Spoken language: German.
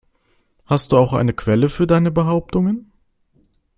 Hast du auch eine Quelle für deine Behauptungen?